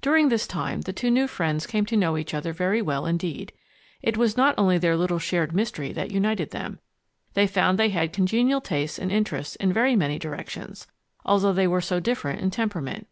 During this time, the two new friends came to know each other very well indeed. It was not only their little shared mystery that united them they found they had congenial tastes and interests in very many directions, although they were so different in temperament.